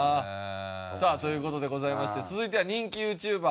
さあという事でございまして続いては人気ＹｏｕＴｕｂｅｒ